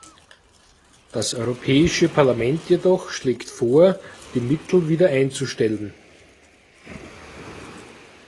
Das Europäische Parlament jedoch schlägt vor, die Mittel wieder einzustellen.